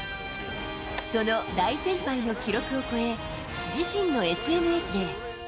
その大先輩の記録を超え、自身のＳＮＳで。